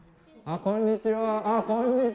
あっこんにちは。